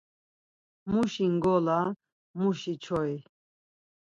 Muşi ngola, muşi çoyi?